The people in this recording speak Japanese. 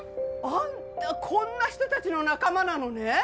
あんたこんな人たちの仲間なのね。